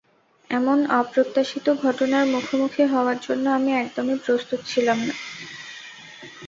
এমন অপ্রত্যাশিত ঘটনার মুখোমুখি হওয়ার জন্য আমি একদমই প্রস্তুত ছিলাম না।